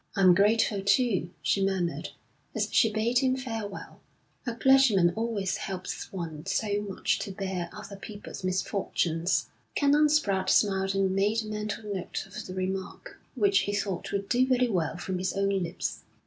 'I'm grateful, too,' she murmured, as she bade him farewell. 'A clergyman always helps one so much to bear other people's misfortunes.' Canon Spratte smiled and made a mental note of the remark, which he thought would do very well from his own lips.